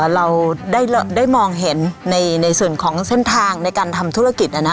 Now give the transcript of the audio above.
เราได้มองเห็นในส่วนของเส้นทางในการทำธุรกิจ